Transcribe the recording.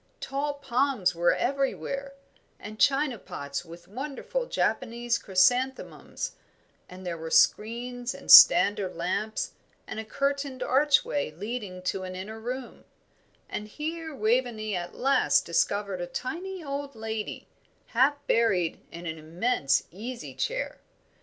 Tall palms were everywhere, and china pots with wonderful Japanese chrysanthemums, and there were screens and standard lamps, and a curtained archway leading to an inner room; and here Waveney at last discovered a tiny old lady, half buried in an immense easy chair.